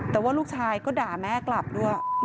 แต่ว่าลูกชายก็ด่าแม่กลับด้วย